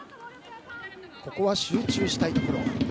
ここは集中したいところ。